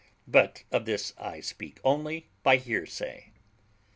But of this I speak only by hearsay.